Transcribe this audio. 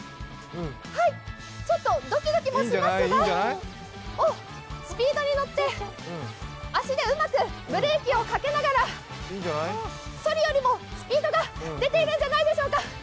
ちょっとドキドキもしますがスピードに乗って、足でうまくブレーキをかけながら、そりよりもスピードが出ているんじゃないでしょうか。